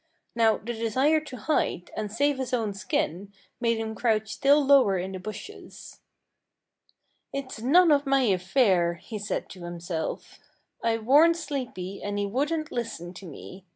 Now the desire to hide, and save his own skin, made him crouch still lower in the bushes. "It's none of my affair," he said to himself. "I warned Sleepy, and he wouldn't listen to me.